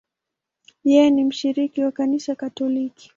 Yeye ni mshiriki wa Kanisa Katoliki.